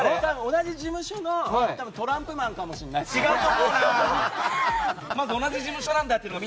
同じ事務所のトランプマンかもしれないな。